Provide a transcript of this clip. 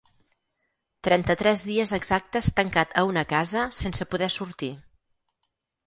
Trenta-tres dies exactes tancat a una casa sense poder sortir.